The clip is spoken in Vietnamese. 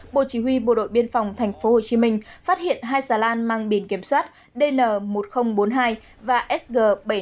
bộ chỉ huy bộ đội biên phòng tp hcm phát hiện hai xà lan mang biển kiểm soát dn một nghìn bốn mươi hai và sg bảy nghìn năm trăm ba mươi năm